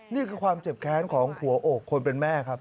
นี่คือความเจ็บแค้นของหัวอกคนเป็นแม่ครับ